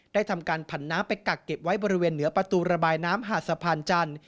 ทำการผันน้ำไปกักเก็บไว้บริเวณเหนือประตูระบายน้ำหาดสะพานจันทร์